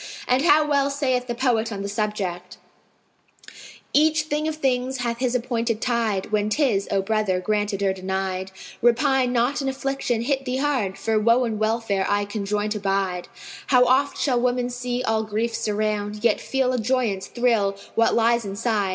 And how well saith the poet on the subject, "Each thing of things hath his appointed tide * When 'tis, O brother, granted or denied. Repine not an affliction hit thee hard; * For woe and welfare aye conjoint abide: How oft shall woman see all griefs surround * Yet feel a joyance thrill what lies inside!